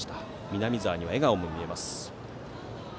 南澤には笑顔も見られます。